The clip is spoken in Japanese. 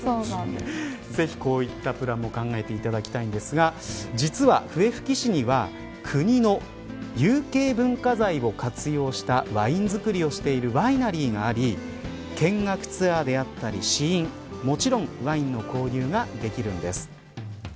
ぜひこういったプランも考えていただきたいんですが実は、笛吹市には国の有形文化財を活用したワイン造りをしているワイナリーがあり見学ツアーであったり試飲、もちろんワインの購入ができるんです。